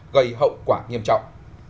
gây hậu quả nghiêm trọng